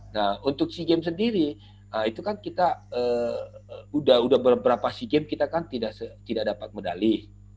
nah untuk si game sendiri itu kan kita udah berapa si game kita kan tidak dapat medali